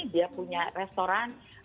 dia punya restoran